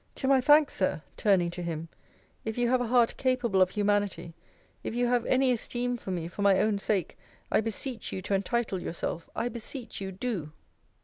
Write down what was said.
To my thanks, Sir, [turning to him,] if you have a heart capable of humanity, if you have any esteem for me for my own sake, I beseech you to entitle yourself! I beseech you, do